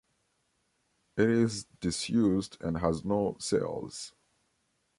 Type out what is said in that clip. It is disused and has no sails.